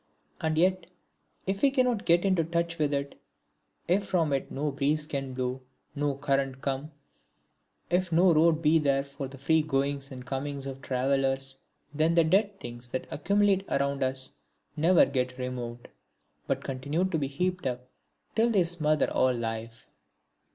And yet if we cannot get into touch with it, if from it no breeze can blow, no current come, if no road be there for the free goings and comings of travellers, then the dead things that accumulate around us never get removed, but continue to be heaped up till they smother all life.